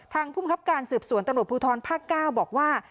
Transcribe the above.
ภูมิครับการสืบสวนตำรวจภูทรภาค๙บอกว่า